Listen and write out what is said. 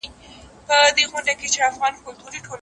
استاد باید شاګرد ته ګام پر ګام مشوري ورکړي.